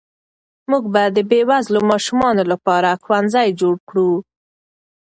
موږ به د بې وزلو ماشومانو لپاره ښوونځي جوړ کړو.